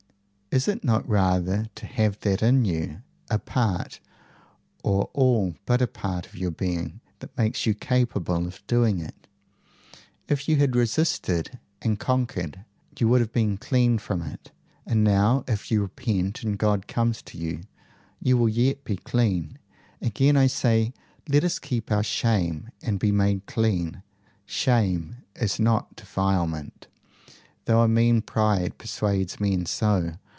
"Is it not rather to have that in you, a part, or all but a part of your being, that makes you capable of doing it? If you had resisted and conquered, you would have been clean from it; and now, if you repent and God comes to you, you will yet be clean. Again I say, let us keep our shame and be made clean! Shame is not defilement, though a mean pride persuades men so.